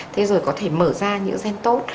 thế rồi có thể mở ra những gen tốt